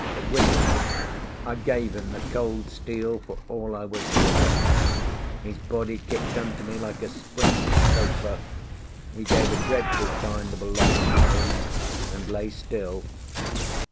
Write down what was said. With that I gave him the cold steel for all I was worth. His body kicked under me like a spring sofa; he gave a dreadful kind of a long moan, and lay still.